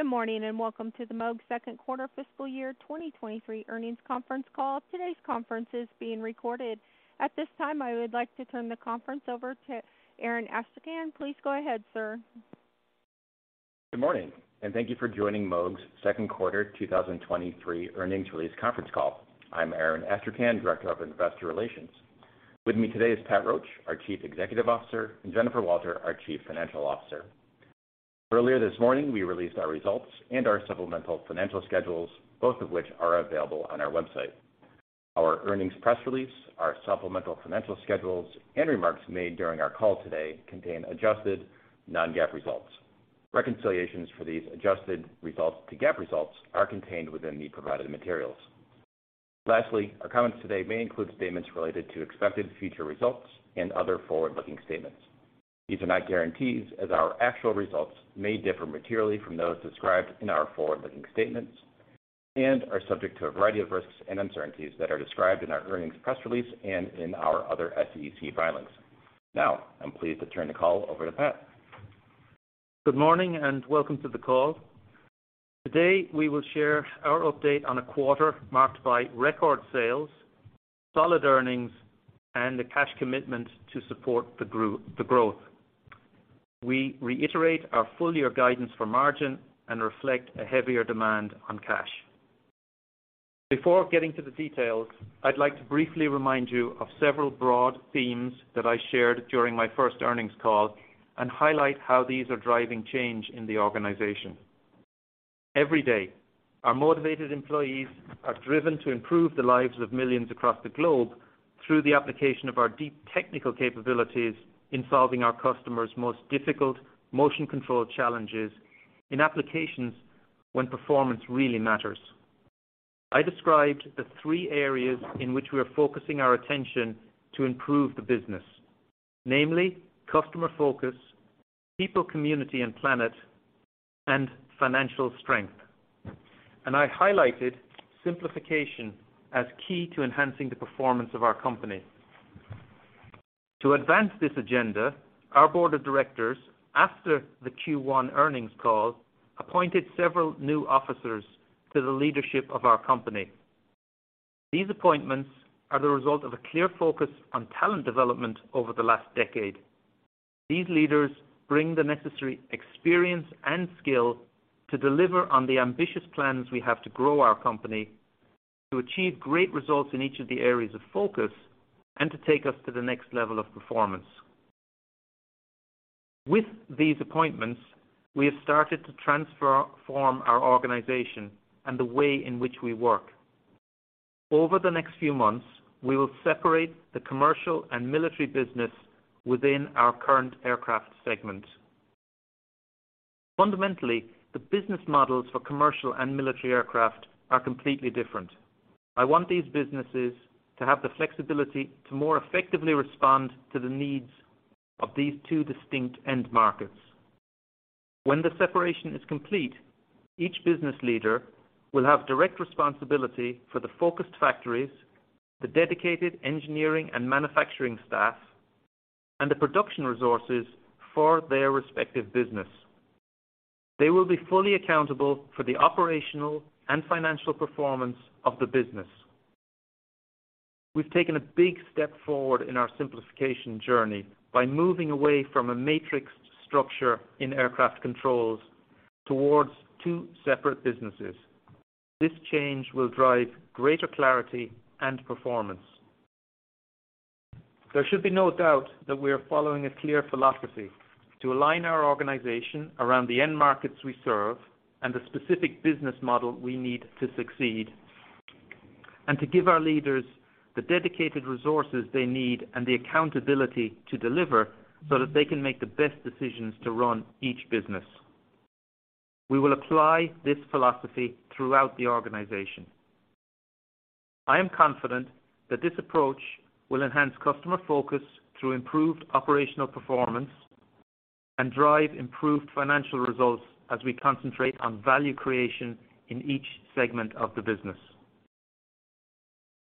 Good morning, welcome to the Moog Second Quarter Fiscal Year 2023 Earnings Conference Call. Today's conference is being recorded. At this time, I would like to turn the conference over to Aaron Astrachan. Please go ahead, sir. Good morning, and thank you for joining Moog's second quarter 2023 earnings release conference call. I'm Aaron Astrachan, director of investor relations. With me today is Pat Roche, our chief executive officer, and Jennifer Walter, our chief financial officer. Earlier this morning, we released our results and our supplemental financial schedules, both of which are available on our website. Our earnings press release, our supplemental financial schedules and remarks made during our call today contain adjusted non-GAAP results. Reconciliations for these adjusted results to GAAP results are contained within the provided materials. Lastly, our comments today may include statements related to expected future results and other forward-looking statements. These are not guarantees as our actual results may differ materially from those described in our forward-looking statements and are subject to a variety of risks and uncertainties that are described in our earnings press release and in our other SEC filings. Now, I'm pleased to turn the call over to Pat. Good morning and welcome to the call. Today, we will share our update on a quarter marked by record sales, solid earnings, and the cash commitment to support the growth. We reiterate our full year guidance for margin and reflect a heavier demand on cash. Before getting to the details, I'd like to briefly remind you of several broad themes that I shared during my first earnings call and highlight how these are driving change in the organization. Every day, our motivated employees are driven to improve the lives of millions across the globe through the application of our deep technical capabilities in solving our customers' most difficult motion control challenges in applications when performance really matters. I described the three areas in which we are focusing our attention to improve the business, namely customer focus, people, community and planet, and financial strength. I highlighted simplification as key to enhancing the performance of our company. To advance this agenda, our board of directors, after the Q1 earnings call, appointed several new officers to the leadership of our company. These appointments are the result of a clear focus on talent development over the last decade. These leaders bring the necessary experience and skill to deliver on the ambitious plans we have to grow our company, to achieve great results in each of the areas of focus, and to take us to the next level of performance. With these appointments, we have started to transform our organization and the way in which we work. Over the next few months, we will separate the commercial and military business within our current aircraft segment. Fundamentally, the business models for commercial and military aircraft are completely different. I want these businesses to have the flexibility to more effectively respond to the needs of these two distinct end markets. When the separation is complete, each business leader will have direct responsibility for the focused factories, the dedicated engineering and manufacturing staff, and the production resources for their respective business. They will be fully accountable for the operational and financial performance of the business. We've taken a big step forward in our simplification journey by moving away from a matrix structure in Aircraft Controls towards two separate businesses. This change will drive greater clarity and performance. There should be no doubt that we are following a clear philosophy to align our organization around the end markets we serve and the specific business model we need to succeed, to give our leaders the dedicated resources they need and the accountability to deliver so that they can make the best decisions to run each business. We will apply this philosophy throughout the organization. I am confident that this approach will enhance customer focus through improved operational performance and drive improved financial results as we concentrate on value creation in each segment of the business.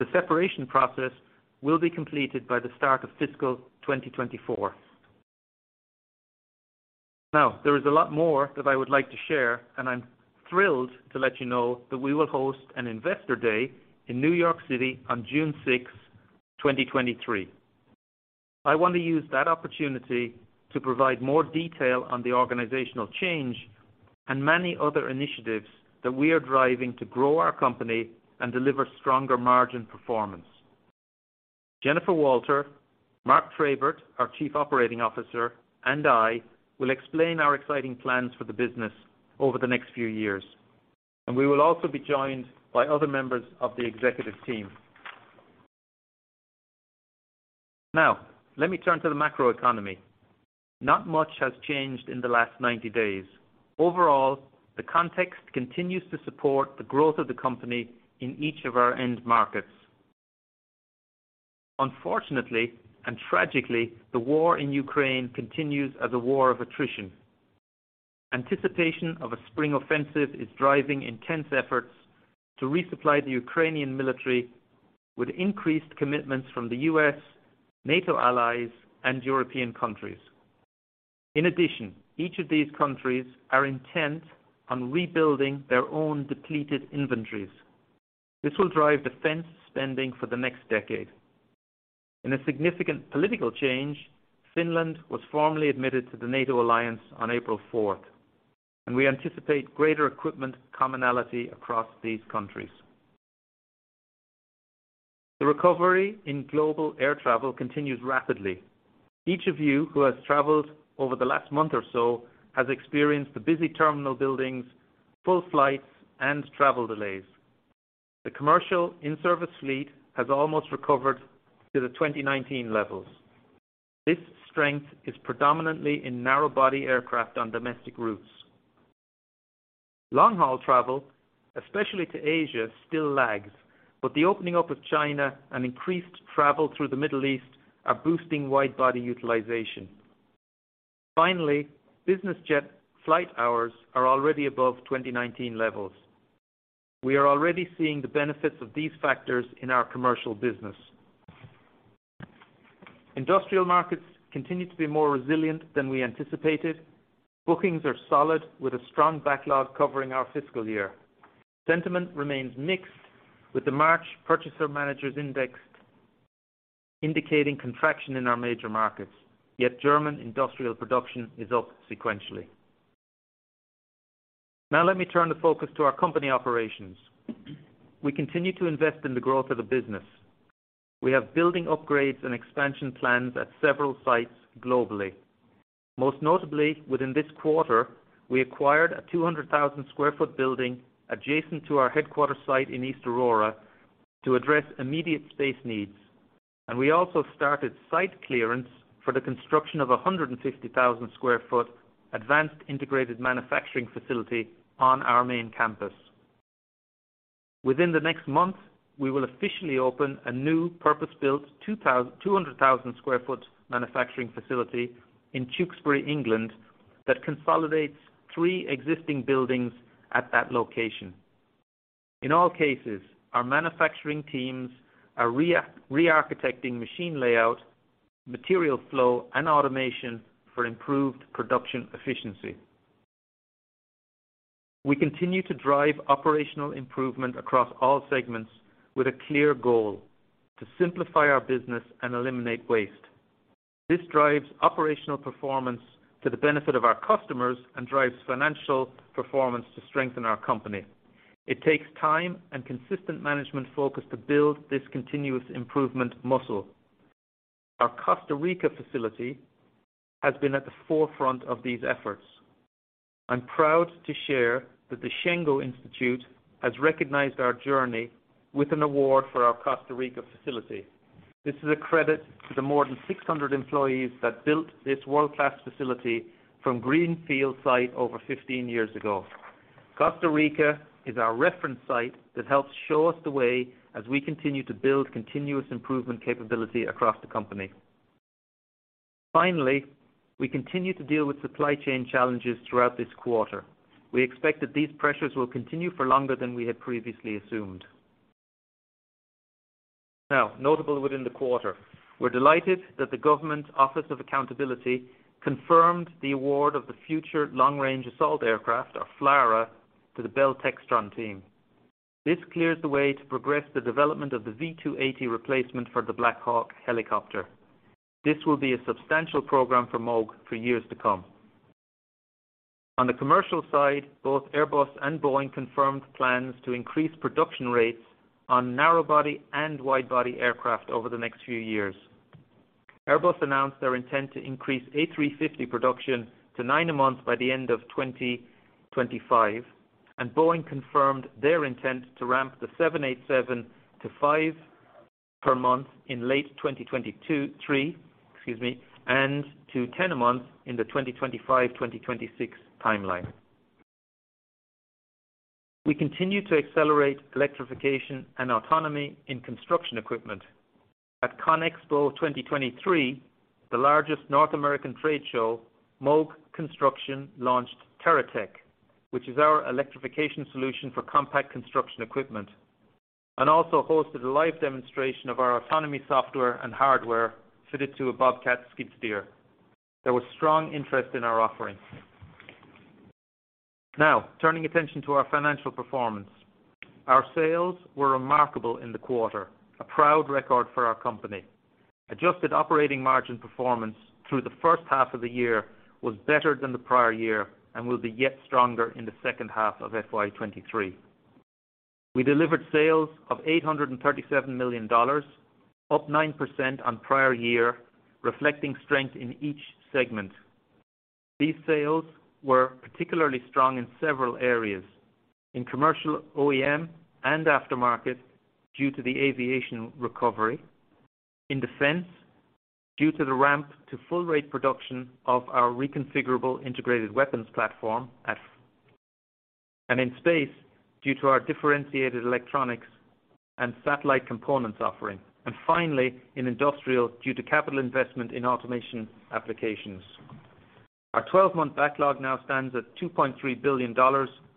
The separation process will be completed by the start of fiscal 2024. Now, there is a lot more that I would like to share, I'm thrilled to let you know that we will host an investor day in New York City on June 6, 2023. I want to use that opportunity to provide more detail on the organizational change and many other initiatives that we are driving to grow our company and deliver stronger margin performance. Jennifer Walter, Mark Trabert, our chief operating officer, and I will explain our exciting plans for the business over the next few years, and we will also be joined by other members of the executive team. Let me turn to the macro economy. Not much has changed in the last 90 days. Overall, the context continues to support the growth of the company in each of our end markets. Unfortunately, and tragically, the war in Ukraine continues as a war of attrition. Anticipation of a spring offensive is driving intense efforts to resupply the Ukrainian military with increased commitments from the U.S., NATO allies, and European countries. In addition, each of these countries are intent on rebuilding their own depleted inventories. This will drive defense spending for the next decade. In a significant political change, Finland was formally admitted to the NATO alliance on April fourth, and we anticipate greater equipment commonality across these countries. The recovery in global air travel continues rapidly. Each of you who has traveled over the last month or so has experienced the busy terminal buildings, full flights, and travel delays. The commercial in-service fleet has almost recovered to the 2019 levels. This strength is predominantly in narrow body aircraft on domestic routes. Long haul travel, especially to Asia, still lags, but the opening up of China and increased travel through the Middle East are boosting wide body utilization. Finally, business jet flight hours are already above 2019 levels. We are already seeing the benefits of these factors in our commercial business. Industrial markets continue to be more resilient than we anticipated. Bookings are solid with a strong backlog covering our fiscal year. Sentiment remains mixed with the March purchaser managers index indicating contraction in our major markets, yet German industrial production is up sequentially. Now let me turn the focus to our company operations. We continue to invest in the growth of the business. We have building upgrades and expansion plans at several sites globally. Most notably, within this quarter, we acquired a 200,000 sq ft building adjacent to our headquarter site in East Aurora to address immediate space needs. We also started site clearance for the construction of a 150,000 sq ft advanced integrated manufacturing facility on our main campus. Within the next month, we will officially open a new purpose-built 200,000 sq ft manufacturing facility in Tewkesbury, England, that consolidates three existing buildings at that location. In all cases, our manufacturing teams are re-architecting machine layout, material flow, and automation for improved production efficiency. We continue to drive operational improvement across all segments with a clear goal, to simplify our business and eliminate waste. This drives operational performance to the benefit of our customers and drives financial performance to strengthen our company. It takes time and consistent management focus to build this continuous improvement muscle. Our Costa Rica facility has been at the forefront of these efforts. I'm proud to share that the Shingo Institute has recognized our journey with an award for our Costa Rica facility. This is a credit to the more than 600 employees that built this world-class facility from Greenfield site over 15 years ago. Costa Rica is our reference site that helps show us the way as we continue to build continuous improvement capability across the company. We continue to deal with supply chain challenges throughout this quarter. We expect that these pressures will continue for longer than we had previously assumed. Notable within the quarter, we're delighted that the Government Accountability Office confirmed the award of the Future Long-Range Assault Aircraft, or FLRAA, to the Bell Textron team. This clears the way to progress the development of the V-280 replacement for the Black Hawk helicopter. This will be a substantial program for Moog for years to come. On the commercial side, both Airbus and Boeing confirmed plans to increase production rates on narrow body and wide body aircraft over the next few years. Airbus announced their intent to increase A350 production to nine a month by the end of 2025. Boeing confirmed their intent to ramp the 787-5 per month in late 2023, and to 10 a month in the 2025, 2026 timeline. We continue to accelerate electrification and autonomy in construction equipment. At CONEXPO 2023, the largest North American trade show, Moog Construction launched TerraTech, which is our electrification solution for compact construction equipment, and also hosted a live demonstration of our autonomy software and hardware fitted to a Bobcat skid-steer. There was strong interest in our offerings. Now, turning attention to our financial performance. Our sales were remarkable in the quarter, a proud record for our company. Adjusted operating margin performance through the first half of the year was better than the prior year and will be yet stronger in the second half of FY 2023. We delivered sales of $837 million, up 9% on prior year, reflecting strength in each segment. These sales were particularly strong in several areas. In commercial OEM and aftermarket due to the aviation recovery. In defense, due to the ramp to full rate production of our Reconfigurable Integrated-weapons Platform. In space, due to our differentiated electronics and satellite components offering. Finally, in industrial, due to capital investment in automation applications. Our 12-month backlog now stands at $2.3 billion,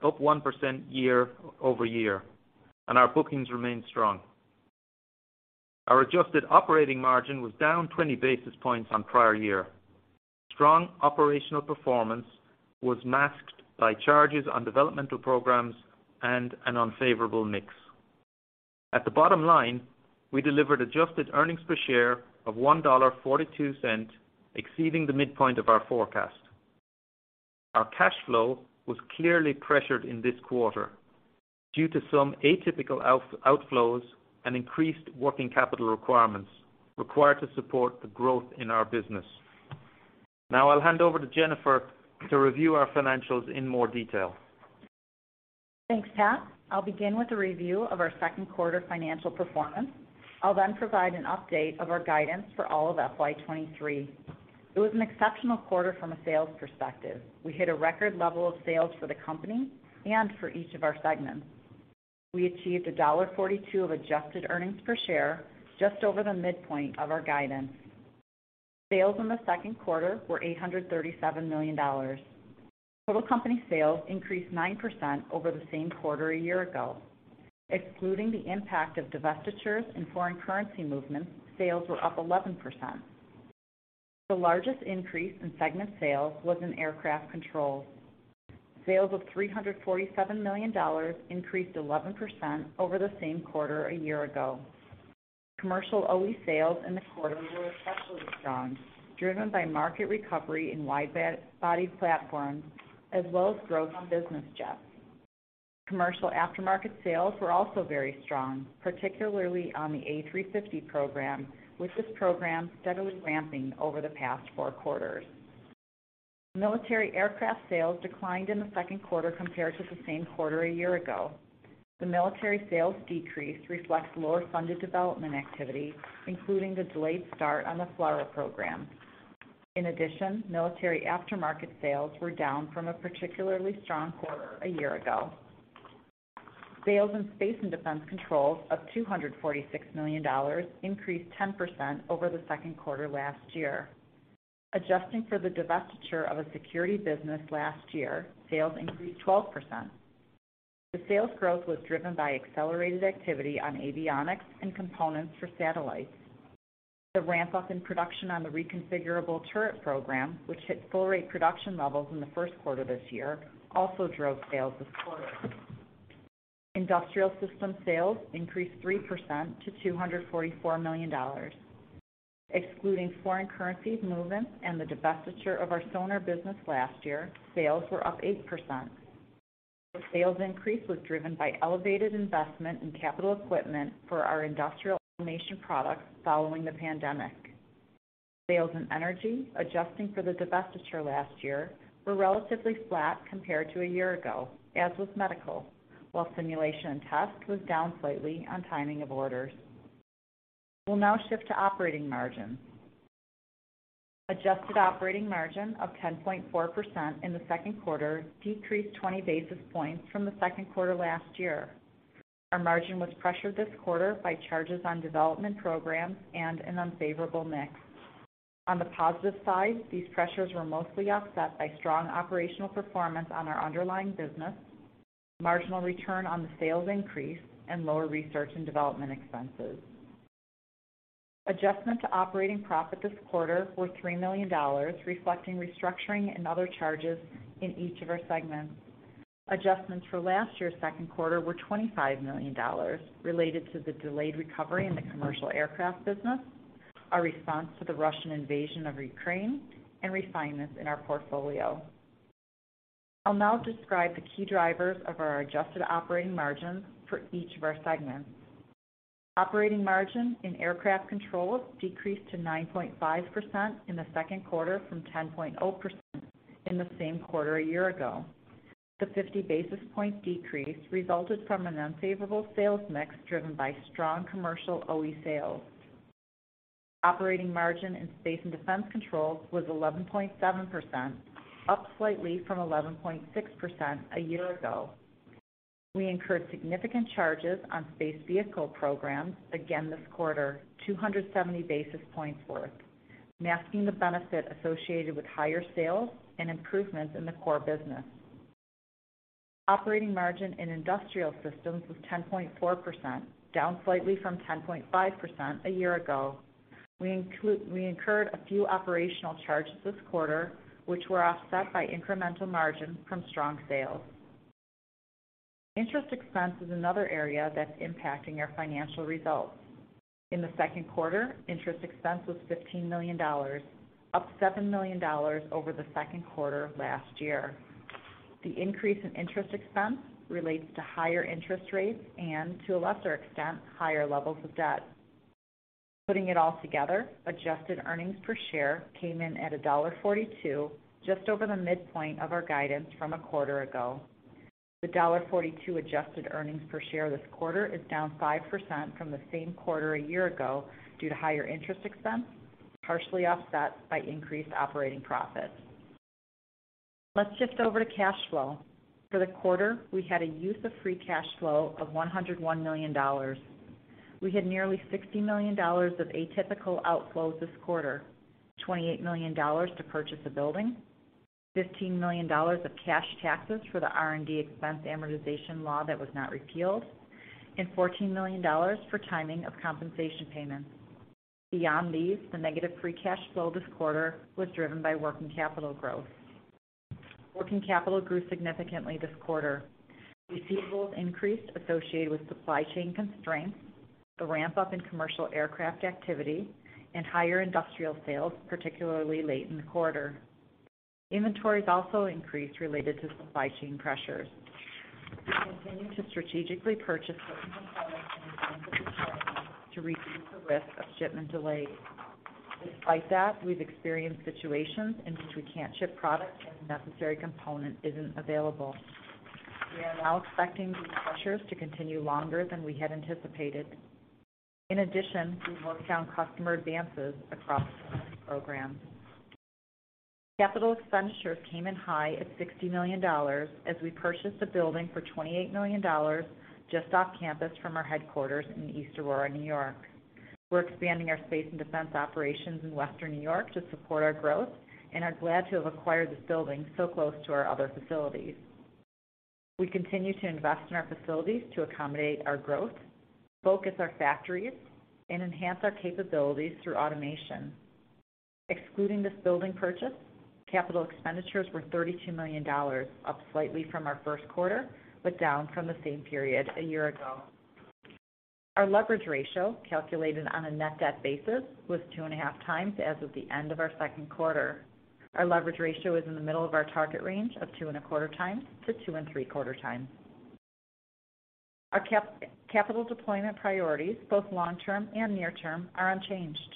up 1% year-over-year, and our bookings remain strong. Our adjusted operating margin was down 20 basis points on prior year. Strong operational performance was masked by charges on developmental programs and an unfavorable mix. At the bottom line, we delivered adjusted earnings per share of $1.42, exceeding the midpoint of our forecast. Our cash flow was clearly pressured in this quarter due to some atypical outflows and increased working capital requirements required to support the growth in our business. I'll hand over to Jennifer to review our financials in more detail. Thanks, Pat. I'll begin with a review of our second quarter financial performance. I'll provide an update of our guidance for all of FY 2023. It was an exceptional quarter from a sales perspective. We hit a record level of sales for the company and for each of our segments. We achieved $1.42 of adjusted earnings per share just over the midpoint of our guidance. Sales in the second quarter were $837 million. Total company sales increased 9% over the same quarter a year-ago. Excluding the impact of divestitures and foreign currency movements, sales were up 11%. The largest increase in segment sales was in Aircraft Controls. Sales of $347 million increased 11% over the same quarter a year-ago. Commercial OE sales in the quarter were especially strong, driven by market recovery in widebody platforms as well as growth on business jets. Commercial aftermarket sales were also very strong, particularly on the A350 program, with this program steadily ramping over the past four quarters. Military aircraft sales declined in the second quarter compared to the same quarter a year ago. The military sales decrease reflects lower funded development activity, including the delayed start on the FLRAA program. Military aftermarket sales were down from a particularly strong quarter a year ago. Sales in Space and Defense Controls of $246 million increased 10% over the second quarter last year. Adjusting for the divestiture of a security business last year, sales increased 12%. The sales growth was driven by accelerated activity on avionics and components for satellites. The ramp-up in production on the reconfigurable turret program, which hit full rate production levels in the first quarter this year, also drove sales this quarter. Industrial Systems sales increased 3% to $244 million. Excluding foreign currency movements and the divestiture of our sonar business last year, sales were up 8%. The sales increase was driven by elevated investment in capital equipment for our industrial automation products following the pandemic. Sales in energy, adjusting for the divestiture last year, were relatively flat compared to a year ago, as was medical, while simulation and test was down slightly on timing of orders. We'll now shift to operating margins. Adjusted operating margin of 10.4% in the second quarter decreased 20 basis points from the second quarter last year. Our margin was pressured this quarter by charges on development programs and an unfavorable mix. On the positive side, these pressures were mostly offset by strong operational performance on our underlying business, marginal return on the sales increase, and lower research and development expenses. Adjustment to operating profit this quarter was $3 million, reflecting restructuring and other charges in each of our segments. Adjustments for last year's second quarter were $25 million related to the delayed recovery in the commercial aircraft business, our response to the Russian invasion of Ukraine, and refinements in our portfolio. I'll now describe the key drivers of our adjusted operating margins for each of our segments. Operating margin in Aircraft Controls decreased to 9.5% in the second quarter from 10.0% in the same quarter a year ago. The 50 basis point decrease resulted from an unfavorable sales mix driven by strong commercial OE sales. Operating margin in Space and Defense Controls was 11.7%, up slightly from 11.6% a year ago. We incurred significant charges on space vehicle programs again this quarter, 270 basis points worth, masking the benefit associated with higher sales and improvements in the core business. Operating margin in Industrial Systems was 10.4%, down slightly from 10.5% a year ago. We incurred a few operational charges this quarter, which were offset by incremental margin from strong sales. Interest expense is another area that's impacting our financial results. In the second quarter, interest expense was $15 million, up $7 million over the second quarter of last year. The increase in interest expense relates to higher interest rates and, to a lesser extent, higher levels of debt. Putting it all together, adjusted earnings per share came in at $1.42, just over the midpoint of our guidance from a quarter ago. The $1.42 adjusted earnings per share this quarter is down 5% from the same quarter a year ago due to higher interest expense, partially offset by increased operating profits. Let's shift over to cash flow. For the quarter, we had a use of free cash flow of $101 million. We had nearly $60 million of atypical outflows this quarter, $28 million to purchase a building, $15 million of cash taxes for the R&D expense amortization law that was not repealed, and $14 million for timing of compensation payments. Beyond these, the negative free cash flow this quarter was driven by working capital growth. Working capital grew significantly this quarter. Receivables increased associated with supply chain constraints, the ramp-up in commercial aircraft activity, and higher industrial sales, particularly late in the quarter. Inventories also increased related to supply chain pressures. We continue to strategically purchase certain components in advance of requirement to reduce the risk of shipment delays. Despite that, we've experienced situations in which we can't ship product and the necessary component isn't available. We are now expecting these pressures to continue longer than we had anticipated. In addition, we've looked down customer advances across some of these programs. Capital expenditures came in high at $60 million as we purchased a building for $28 million just off campus from our headquarters in East Aurora, New York. We're expanding our space and defense operations in Western New York to support our growth and are glad to have acquired this building so close to our other facilities. We continue to invest in our facilities to accommodate our growth, focus our factories, and enhance our capabilities through automation. Excluding this building purchase, capital expenditures were $32 million, up slightly from our first quarter, down from the same period a year ago. Our leverage ratio, calculated on a net debt basis, was 2.5x as of the end of our second quarter. Our leverage ratio is in the middle of our target range of 2.25x-2.75x. Our capital deployment priorities, both long term and near term, are unchanged.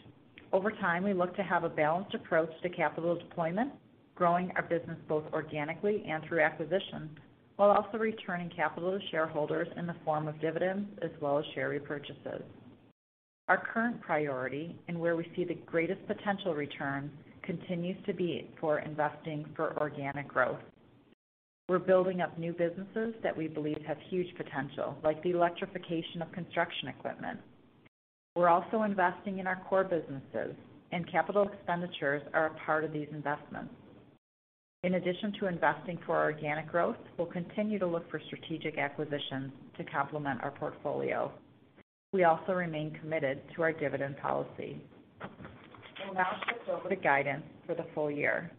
Over time, we look to have a balanced approach to capital deployment, growing our business both organically and through acquisitions, while also returning capital to shareholders in the form of dividends as well as share repurchases. Our current priority, and where we see the greatest potential return, continues to be for investing for organic growth. We're building up new businesses that we believe have huge potential, like the electrification of construction equipment. We're also investing in our core businesses, and capital expenditures are a part of these investments. In addition to investing for organic growth, we'll continue to look for strategic acquisitions to complement our portfolio. We also remain committed to our dividend policy. We'll now shift over to guidance for the full year.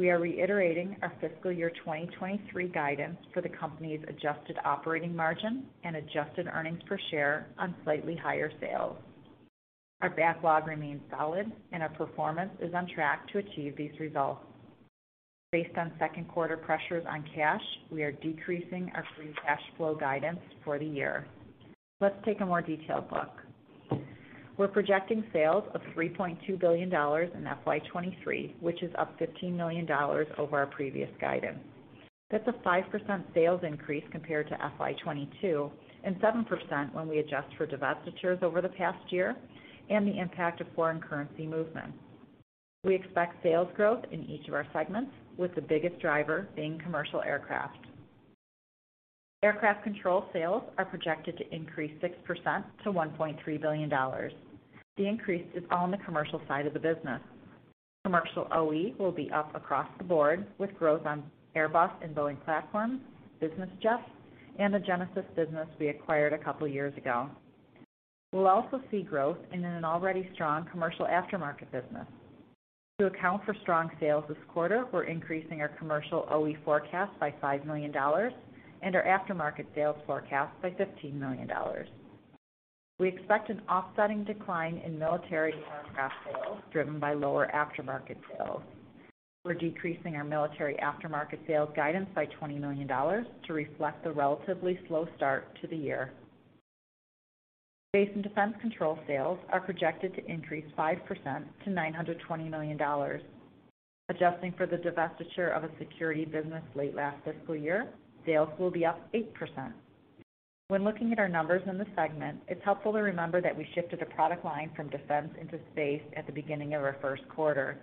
We are reiterating our fiscal year 2023 guidance for the company's adjusted operating margin and adjusted earnings per share on slightly higher sales. Our backlog remains solid, and our performance is on track to achieve these results. Based on second quarter pressures on cash, we are decreasing our free cash flow guidance for the year. Let's take a more detailed look. We're projecting sales of $3.2 billion in FY 2023, which is up $15 million over our previous guidance. That's a 5% sales increase compared to FY 2022 and 7% when we adjust for divestitures over the past year and the impact of foreign currency movements. We expect sales growth in each of our segments, with the biggest driver being commercial aircraft. Aircraft Controls sales are projected to increase 6% to $1.3 billion. The increase is on the commercial side of the business. Commercial OE will be up across the board with growth on Airbus and Boeing platforms, business jets, and the Genesys business we acquired a couple years ago. We'll also see growth in an already strong commercial aftermarket business. To account for strong sales this quarter, we're increasing our commercial OE forecast by $5 million and our aftermarket sales forecast by $15 million. We expect an offsetting decline in military aircraft sales driven by lower aftermarket sales. We're decreasing our military aftermarket sales guidance by $20 million to reflect the relatively slow start to the year. Space and Defense Controls sales are projected to increase 5% to $920 million. Adjusting for the divestiture of a security business late last fiscal year, sales will be up 8%. When looking at our numbers in the segment, it's helpful to remember that we shifted a product line from defense into space at the beginning of our first quarter.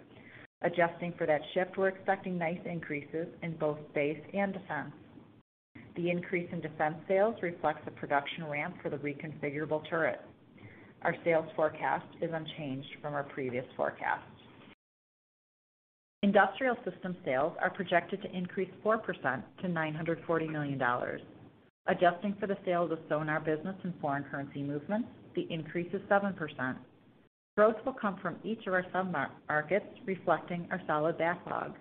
Adjusting for that shift, we're expecting nice increases in both space and defense. The increase in defense sales reflects a production ramp for the reconfigurable turret. Our sales forecast is unchanged from our previous forecast. Industrial Systems sales are projected to increase 4% to $940 million. Adjusting for the sale of the sonar business and foreign currency movements, the increase is 7%. Growth will come from each of our submarkets reflecting our solid backlog.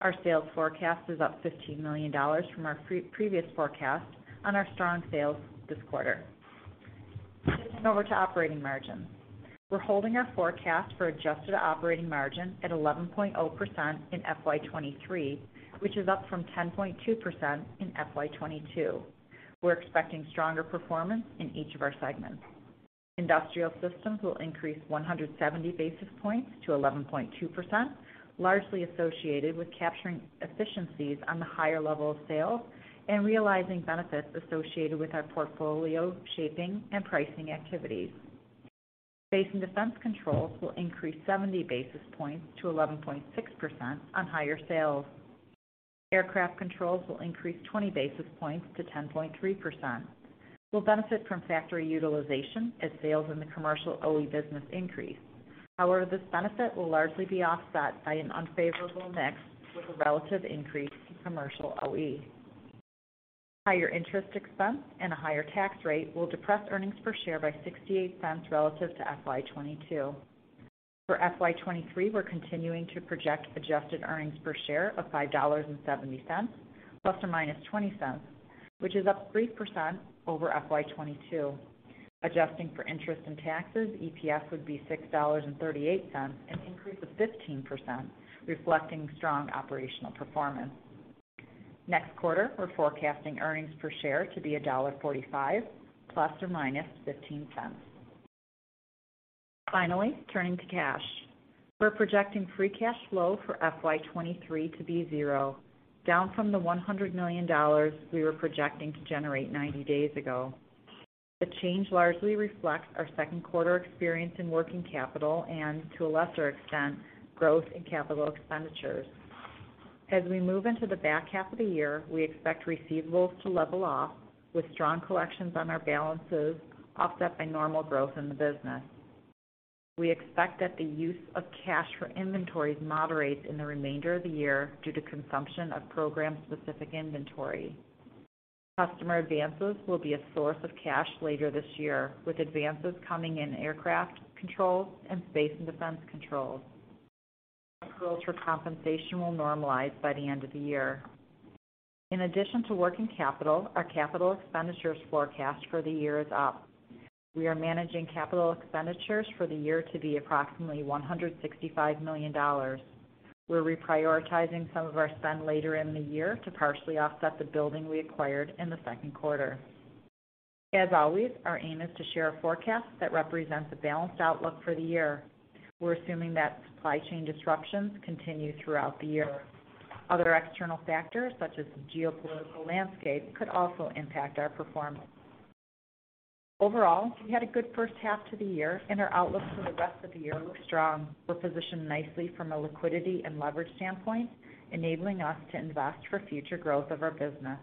Our sales forecast is up $15 million from our pre-previous forecast on our strong sales this quarter. Shifting over to operating margins. We're holding our forecast for adjusted operating margin at 11.0% in FY 2023, which is up from 10.2% in FY 2022. We're expecting stronger performance in each of our segments. Industrial Systems will increase 170 basis points to 11.2%, largely associated with capturing efficiencies on the higher level of sales and realizing benefits associated with our portfolio shaping and pricing activities. Space and Defense Controls will increase 70 basis points to 11.6% on higher sales. Aircraft Controls will increase 20 basis points to 10.3%. We'll benefit from factory utilization as sales in the commercial OE business increase. However, this benefit will largely be offset by an unfavorable mix with a relative increase in commercial OE. Higher interest expense and a higher tax rate will depress earnings per share by $0.68 relative to FY 2022. For FY 2023, we're continuing to project adjusted earnings per share of $5.70, ±$0.20, which is up 3% over FY 2022. Adjusting for interest and taxes, EPS would be $6.38, an increase of 15%, reflecting strong operational performance. Next quarter, we're forecasting earnings per share to be $1.45, ±$0.15. Turning to cash. We're projecting free cash flow for FY 2023 to be zero, down from the $100 million we were projecting to generate 90 days ago. The change largely reflects our second quarter experience in working capital and to a lesser extent, growth in capital expenditures. As we move into the back half of the year, we expect receivables to level off with strong collections on our balances offset by normal growth in the business. We expect that the use of cash for inventories moderates in the remainder of the year due to consumption of program-specific inventory. Customer advances will be a source of cash later this year, with advances coming in Aircraft Controls and Space and Defense Controls. Approvals for compensation will normalize by the end of the year. In addition to working capital, our capital expenditures forecast for the year is up. We are managing capital expenditures for the year to be approximately $165 million. We're reprioritizing some of our spend later in the year to partially offset the building we acquired in the second quarter. As always, our aim is to share a forecast that represents a balanced outlook for the year. We're assuming that supply chain disruptions continue throughout the year. Other external factors, such as the geopolitical landscape, could also impact our performance. Overall, we had a good first half to the year and our outlook for the rest of the year looks strong. We're positioned nicely from a liquidity and leverage standpoint, enabling us to invest for future growth of our business.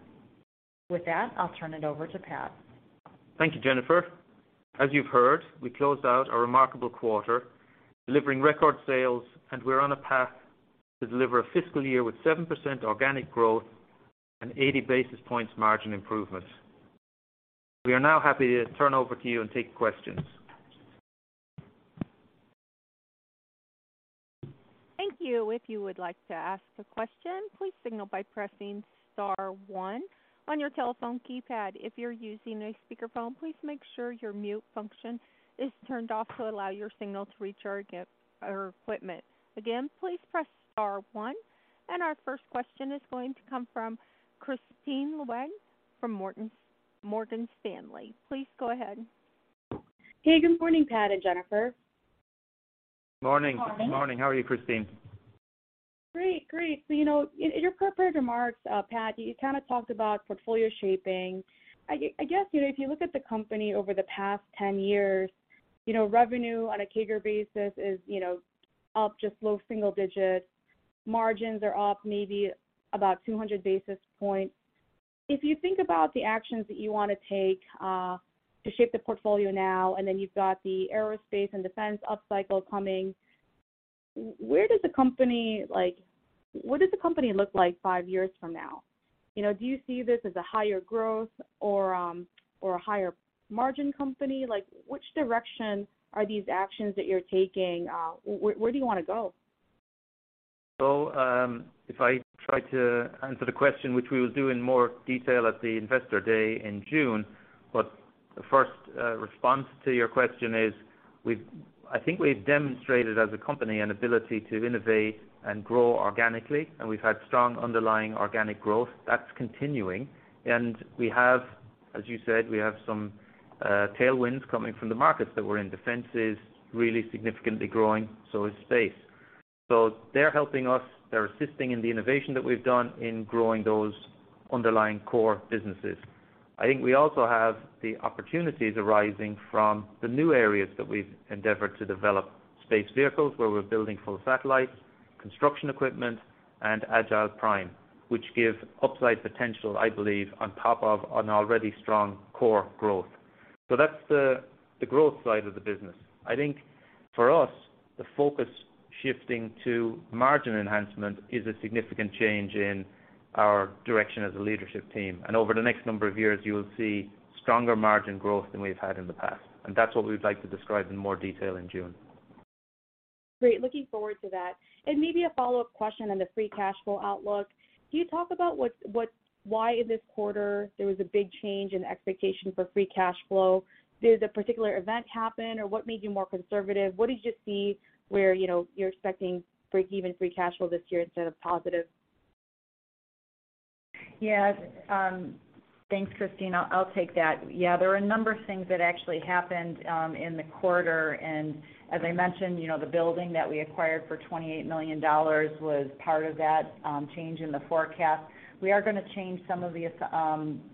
With that, I'll turn it over to Pat. Thank you, Jennifer. As you've heard, we closed out a remarkable quarter, delivering record sales, and we're on a path to deliver a fiscal year with 7% organic growth and 80 basis points margin improvement. We are now happy to turn over to you and take questions. Thank you. If you would like to ask a question, please signal by pressing star one on your telephone keypad. If you're using a speakerphone, please make sure your mute function is turned off to allow your signal to reach our equipment. Again, please press star one. And our first question is going to come from Kristine Liwag from Morgan Stanley. Please go ahead. Hey, good morning, Pat and Jennifer. Morning. Morning. Morning. How are you, Kristine? Great, great. You know, in your prepared remarks, Pat, you kinda talked about portfolio shaping. I guess, you know, if you look at the company over the past 10 years, you know, revenue on a CAGR basis is, you know, up just low single digits. Margins are up maybe about 200 basis points. If you think about the actions that you wanna take, to shape the portfolio now, and then you've got the aerospace and defense upcycle coming, what does the company look like five years from now? You know, do you see this as a higher growth or a higher margin company? Like, which direction are these actions that you're taking? Where do you wanna go? If I try to answer the question, which we will do in more detail at the Investor Day in June, but the first response to your question is I think we've demonstrated as a company an ability to innovate and grow organically, and we've had strong underlying organic growth that's continuing. We have, as you said, we have some tailwinds coming from the markets that we're in. Defense is really significantly growing, so is Space. They're helping us. They're assisting in the innovation that we've done in growing those underlying core businesses. I think we also have the opportunities arising from the new areas that we've endeavored to develop, space vehicles, where we're building full satellites, construction equipment, and Agility Prime, which give upside potential, I believe, on top of an already strong core growth. That's the growth side of the business. I think for us, the focus shifting to margin enhancement is a significant change in our direction as a leadership team. Over the next number of years, you will see stronger margin growth than we've had in the past. That's what we'd like to describe in more detail in June. Great. Looking forward to that. Maybe a follow-up question on the free cash flow outlook. Can you talk about what's why in this quarter there was a big change in expectation for free cash flow? Did a particular event happen, or what made you more conservative? What did you see where, you know, you're expecting breakeven free cash flow this year instead of positive? Yes. Thanks, Kristine. I'll take that. Yeah, there are a number of things that actually happened in the quarter. As I mentioned, you know, the building that we acquired for $28 million was part of that change in the forecast. We are gonna change some of the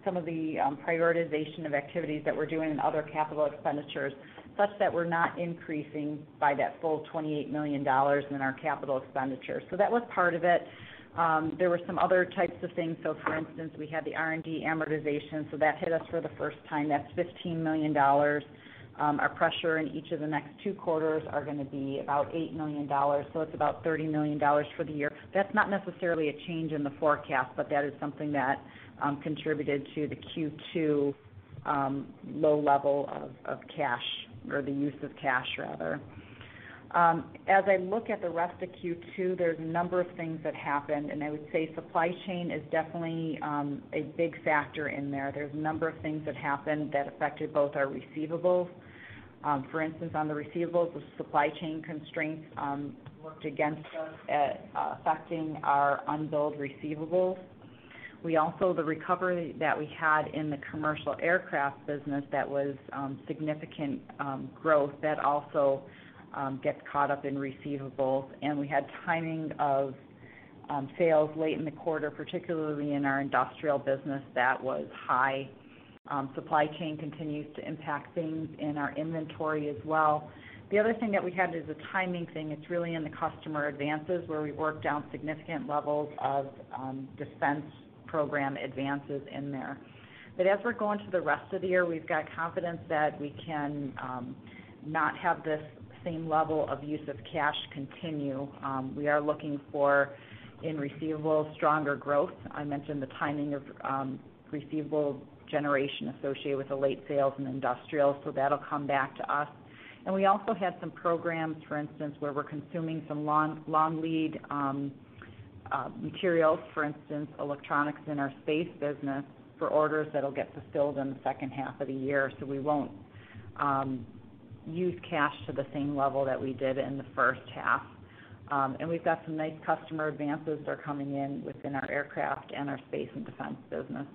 prioritization of activities that we're doing in other capital expenditures, such that we're not increasing by that full $28 million in our capital expenditures. That was part of it. There were some other types of things. For instance, we had the R&D amortization, so that hit us for the first time. That's $15 million. Our pressure in each of the next two quarters are gonna be about $8 million. It's about $30 million for the year. That's not necessarily a change in the forecast, but that is something that contributed to the Q2 low level of cash or the use of cash rather. As I look at the rest of Q2, there's a number of things that happened, and I would say supply chain is definitely a big factor in there. There's a number of things that happened that affected both our receivables. For instance, on the receivables, the supply chain constraints worked against us, affecting our unbilled receivables. We also, the recovery that we had in the commercial Aircraft Controls business, that was significant growth, that also gets caught up in receivables. And we had timing of sales late in the quarter, particularly in our Industrial Systems business that was high. Supply chain continues to impact things in our inventory as well. The other thing that we had is a timing thing. It's really in the customer advances where we worked down significant levels of defense program advances in there. But as we're going through the rest of the year, we've got confidence that we can not have this same level of use of cash continue. We are looking for, in receivables, stronger growth. I mentioned the timing of receivable generation associated with the late sales in Industrial, that'll come back to us. We also had some programs, for instance, where we're consuming some long lead materials, for instance, electronics in our Space business for orders that'll get fulfilled in the second half of the year. We won't use cash to the same level that we did in the first half. We've got some nice customer advances that are coming in within our Aircraft and our Space and Defense business.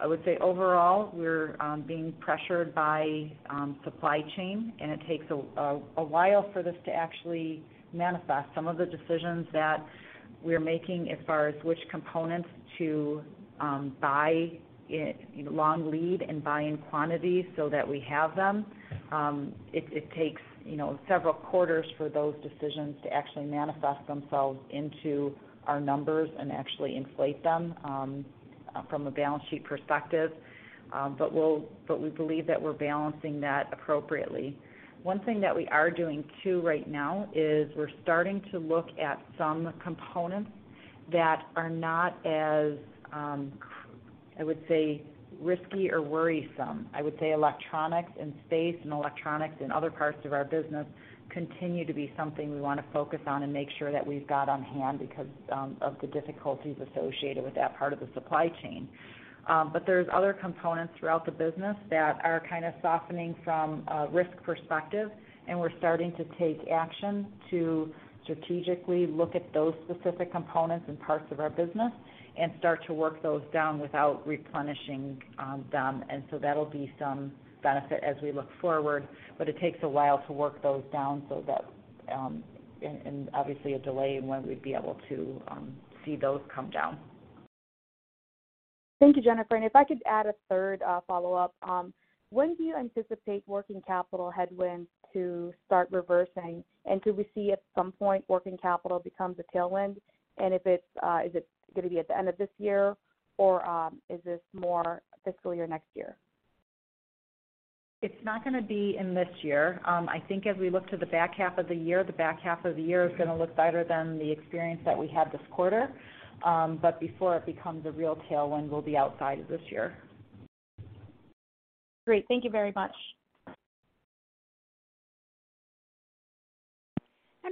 I would say overall, we're being pressured by supply chain, and it takes a while for this to actually manifest. Some of the decisions that we're making as far as which components to buy in long lead and buy in quantity so that we have them, it takes, you know, several quarters for those decisions to actually manifest themselves into our numbers and actually inflate them from a balance sheet perspective. We believe that we're balancing that appropriately. One thing that we are doing too right now is we're starting to look at some components that are not as I would say risky or worrisome. I would say electronics and space, and electronics in other parts of our business continue to be something we wanna focus on and make sure that we've got on hand because of the difficulties associated with that part of the supply chain. There's other components throughout the business that are kind of softening from a risk perspective, and we're starting to take action to strategically look at those specific components and parts of our business and start to work those down without replenishing them. That'll be some benefit as we look forward. It takes a while to work those down so that, and obviously a delay in when we'd be able to see those come down. Thank you, Jennifer. If I could add a third follow-up. When do you anticipate working capital headwinds to start reversing? Do we see at some point working capital becomes a tailwind? If it's, is it gonna be at the end of this year or, is this more fiscal year next year? It's not gonna be in this year. I think as we look to the back half of the year, the back half of the year is gonna look better than the experience that we had this quarter. Before it becomes a real tailwind, we'll be outside of this year. Great. Thank you very much.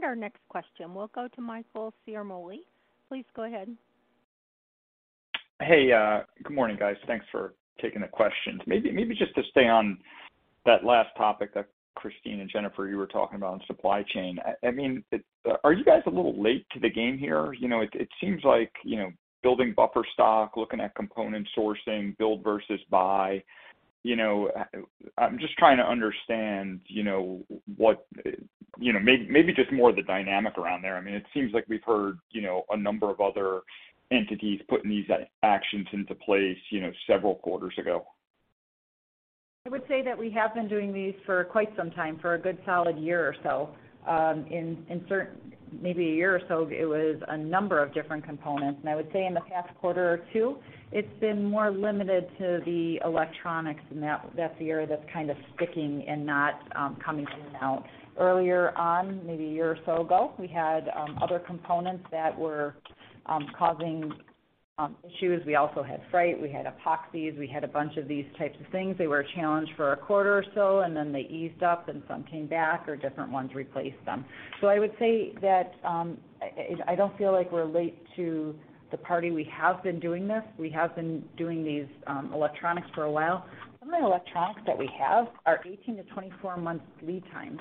Our next question will go to Michael Ciarmoli. Please go ahead. Hey, good morning, guys. Thanks for taking the questions. Maybe just to stay on that last topic that Kristine and Jennifer, you were talking about on supply chain. I mean, are you guys a little late to the game here? You know, it seems like, you know, building buffer stock, looking at component sourcing, build versus buy. You know, I'm just trying to understand, you know, what, you know, maybe just more of the dynamic around there. I mean, it seems like we've heard, you know, a number of other entities putting these actions into place, you know, several quarters ago. I would say that we have been doing these for quite some time, for a good solid year or so. Maybe a year or so, it was a number of different components. I would say in the past quarter or two, it's been more limited to the electronics, and that's the area that's kind of sticking and not coming down. Earlier on, maybe a year or so ago, we had other components that were causing issues. We also had freight, we had epoxies, we had a bunch of these types of things. They were a challenge for a quarter or so, and then they eased up and some came back or different ones replaced them. I would say that I don't feel like we're late to the party. We have been doing this. We have been doing these electronics for a while. Some of the electronics that we have are 18 months-24 months lead times.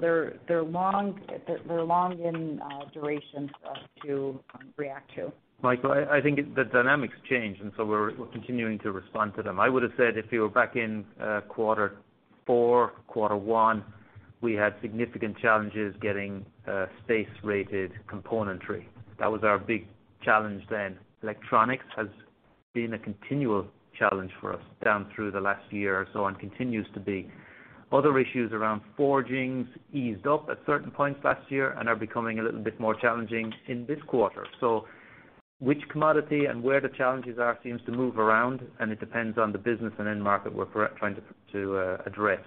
They're long, they're long in duration for us to react to. Michael, The dynamics change, and so we're continuing to respond to them. I would've said if you were back in quarter four, quarter one We had significant challenges getting space-rated componentry. That was our big challenge then. Electronics has been a continual challenge for us down through the last year or so, and continues to be. Other issues around forgings eased up at certain points last year and are becoming a little bit more challenging in this quarter. Which commodity and where the challenges are seems to move around, and it depends on the business and end market we're trying to address.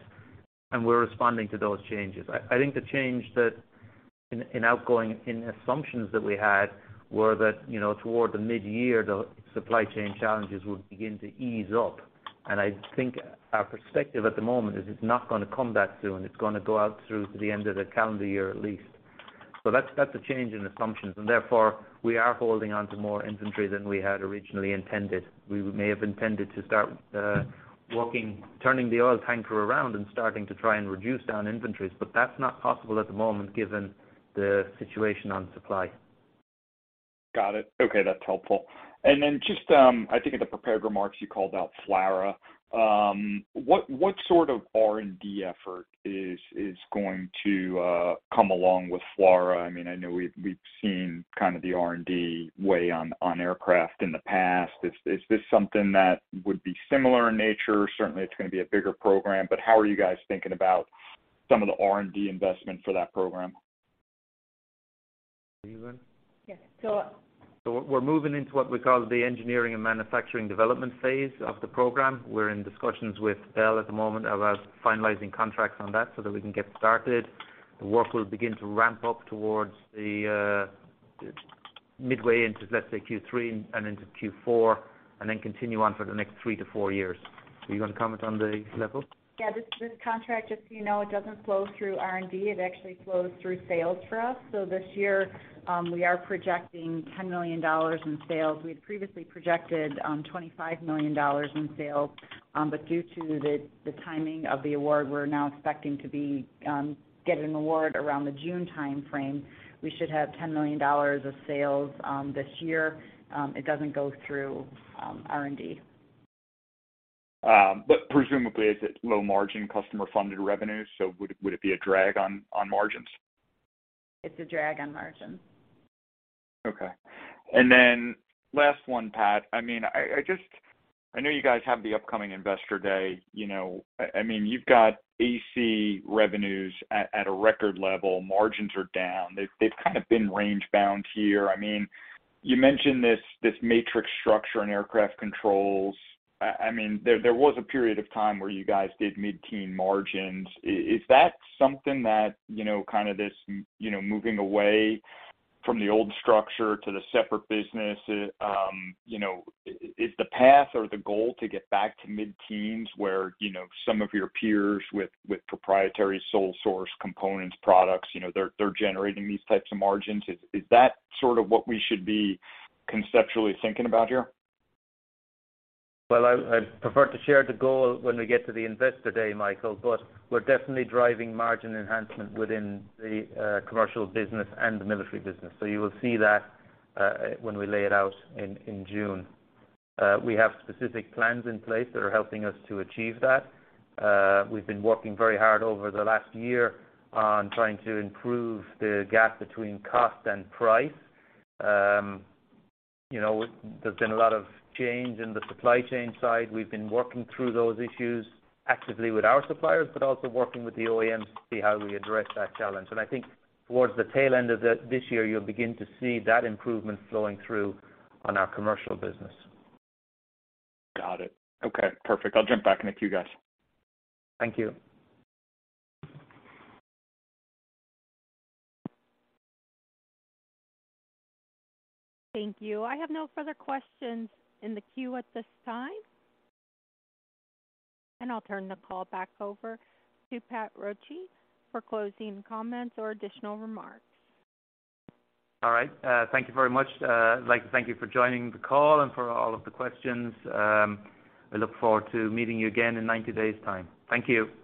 We're responding to those changes. I think the change that in assumptions that we had were that, you know, toward the midyear, the supply chain challenges would begin to ease up. I think our perspective at the moment is it's not gonna come that soon. It's gonna go out through to the end of the calendar year at least. That's a change in assumptions, and therefore, we are holding onto more inventory than we had originally intended. We may have intended to start working, turning the oil tanker around and starting to try and reduce down inventories. That's not possible at the moment given the situation on supply. Got it. Okay. That's helpful. Then just, I think in the prepared remarks you called out FLRAA. What sort of R&D effort is going to come along with FLRAA? I mean, I know we've seen kind of the R&D way on aircraft in the past. Is, is this something that would be similar in nature? Certainly, it's gonna be a bigger program, but how are you guys thinking about some of the R&D investment for that program? Are you going? Yes. We're moving into what we call the engineering and manufacturing development phase of the program. We're in discussions with Bell at the moment about finalizing contracts on that so that we can get started. The work will begin to ramp up towards the midway into, let's say, Q3 and into Q4, and then continue on for the next three to four years. Do you wanna comment on the level? This contract, just so you know, it doesn't flow through R&D, it actually flows through sales for us. This year, we are projecting $10 million in sales. We had previously projected $25 million in sales, due to the timing of the award, we're now expecting to be get an award around the June timeframe. We should have $10 million of sales this year. It doesn't go through R&D. Presumably it's low margin customer funded revenue. Would it be a drag on margins? It's a drag on margins. Okay. Last one, Pat. I mean, I know you guys have the upcoming Investor Day. You know, I mean, you've got AC revenues at a record level. Margins are down. They've kind of been range bound here. I mean, you mentioned this matrix structure and Aircraft Controls. I mean, there was a period of time where you guys did mid-teen margins. Is, is that something that, you know, kind of this, you know, moving away from the old structure to the separate business, you know, is the path or the goal to get back to mid-teens where, you know, some of your peers with proprietary sole source components products, you know, they're generating these types of margins. Is, is that sort of what we should be conceptually thinking about here? Well, I'd prefer to share the goal when we get to the Investor Day, Michael, but we're definitely driving margin enhancement within the commercial business and the military business. You will see that when we lay it out in June. We have specific plans in place that are helping us to achieve that. We've been working very hard over the last year on trying to improve the gap between cost and price. You know, there's been a lot of change in the supply chain side. We've been working through those issues actively with our suppliers, but also working with the OEMs to see how we address that challenge. I think towards the tail end of this year, you'll begin to see that improvement flowing through on our commercial business. Got it. Okay, perfect. I'll jump back in the queue, guys. Thank you. Thank you. I have no further questions in the queue at this time. I'll turn the call back over to Pat Roche for closing comments or additional remarks. All right. Thank you very much. I'd like to thank you for joining the call and for all of the questions. I look forward to meeting you again in 90 days time. Thank you.